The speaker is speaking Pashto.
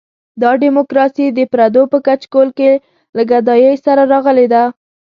دا ډیموکراسي د پردو په کچکول کې له ګدایۍ سره راغلې ده.